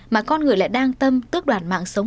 mà con người lại đang tâm tước đoàn mạng sống